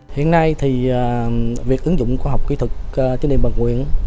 hiện nay thì việc ứng dụng khoa học kỹ thuật trên địa bàn nguyện